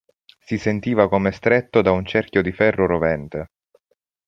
Si sentiva come stretto da un cerchio di ferro rovente.